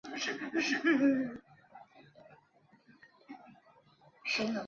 科学报告旗下的线上开放获取综合自然科学期刊。